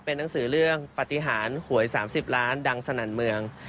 เป็นหนังสือเรื่องปฏิหารหวย๓๐ล้านดังสนั่นเมือง